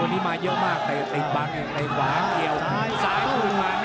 พ่นน้อยมาเยอะมากติดตามหน้าอย่างไรก็เห็น